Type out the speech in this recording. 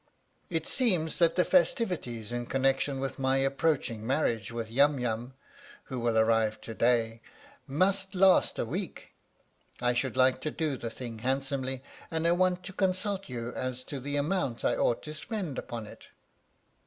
" It seems that the festivities in connection with my approaching marriage with Yum Yum (who will arrive to day) must last a week. I should like to do the thing handsomely, and I want .to consult you as to the amount I ought to spend upon it."